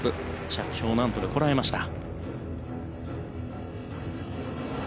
着氷何とかこらえました。